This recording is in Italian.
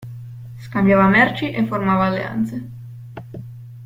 Scambiava merci e formava alleanze.